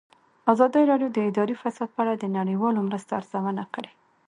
ازادي راډیو د اداري فساد په اړه د نړیوالو مرستو ارزونه کړې.